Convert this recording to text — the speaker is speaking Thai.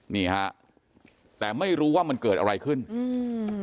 นี่ฮะแต่ไม่รู้ว่ามันเกิดอะไรขึ้นอืม